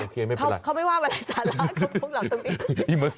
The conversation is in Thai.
เขาไม่ว่าว่าอะไรสาระ